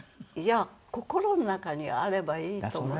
いや心の中にあればいいと。